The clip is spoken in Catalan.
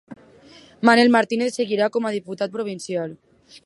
Manel Martínez seguirà com a diputat provincial